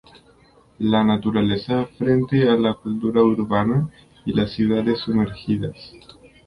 La naturaleza frente a la cultura urbana y ciudades sumergidas.